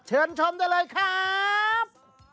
เชิญชมได้เลยครับ